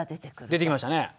出てきましたね。